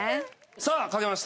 さあ書けました。